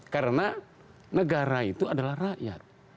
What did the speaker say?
karena negara itu adalah rakyat